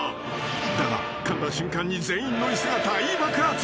［だがかんだ瞬間に全員の椅子が大爆発］